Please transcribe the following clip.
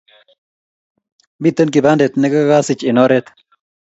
Miten kipandet nekakisij en oret